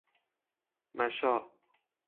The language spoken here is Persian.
مَشاء